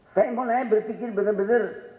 saya mulai berpikir benar benar